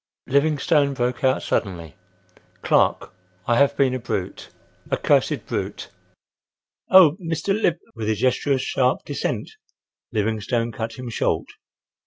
Livingstone broke out suddenly: "Clark, I have been a brute, a cursed brute!" "Oh! Mr. Liv—!" With a gesture of sharp dissent Livingstone cut him short.